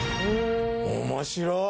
面白い！